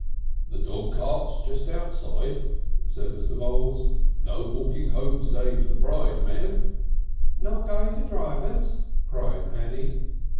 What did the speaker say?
"The dog cart's just outside," said Mr. Voules. "No walking home to day for the bride, Mam." "Not going to drive us?" cried Annie.